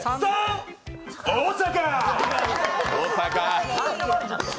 大阪！